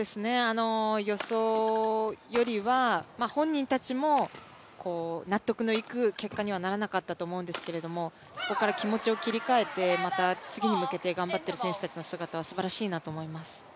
予想よりは本人たちも納得のいく結果にはならなかったと思うんですけれどもそこから気持ちを切り替えてまた次に向けて頑張っている選手たちの姿はすばらしいなと思います。